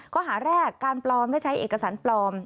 ข้อหาแรกการปลอมและใช้เอกสารปลอม